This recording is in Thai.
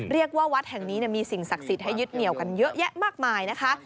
วัดแห่งนี้มีสิ่งศักดิ์สิทธิ์ให้ยึดเหนียวกันเยอะแยะมากมายนะคะ